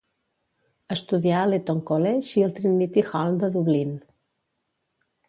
Estudià a l'Eton College i al Trinity Hall de Dublin.